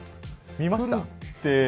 見ました。